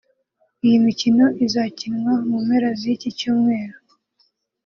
Iyi mikino izakinwa mu mpera z’iki cyumweru